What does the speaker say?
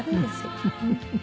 フフフフ。